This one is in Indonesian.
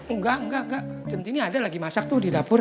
enggak enggak centini ada lagi masak tuh di dapur